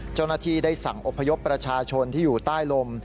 เจ้าหน้าที่ได้สั่งอพยพประชาชนที่อยู่ใต้ลม